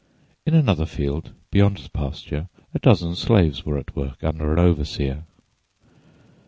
In another field, beyond the pasture, a dozen slaves were at work under an overseer.